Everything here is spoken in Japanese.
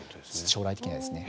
将来的にはですね。